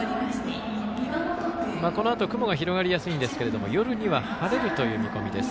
このあと雲が広がりやすいんですが夜には晴れるという見込みです。